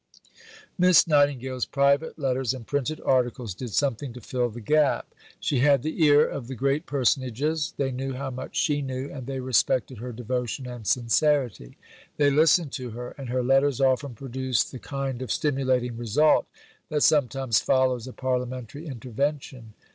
" Miss Nightingale's private letters and printed articles did something to fill the gap. She had the ear of the great personages; they knew how much she knew, and they respected her devotion and sincerity. They listened to her, and her letters often produced the kind of stimulating result that sometimes follows a parliamentary intervention.